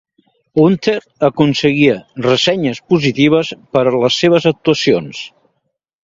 Hunter aconseguia ressenyes positives per les seves actuacions.